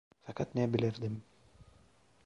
Fakat ne bilirdim…